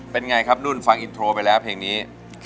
เป็นไงครับนุ่นฟังอินโทรไปแล้วเพลงนี้